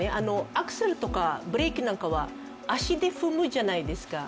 アクセルとかブレーキなんかは足で踏むじゃないですか。